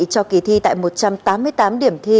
cho kỳ thi tại một trăm tám mươi tám điểm thi